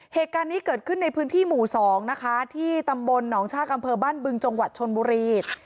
เหตุการณ์นี้เกิดขึ้นในพื้นที่หมู่๒นะคะที่ตำบลหนองชากอำเภอบ้านบึงจังหวัดชนบุรี